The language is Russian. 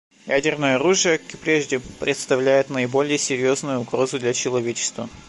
Ядерное оружие, как и прежде, представляет наиболее серьезную угрозу для человечества.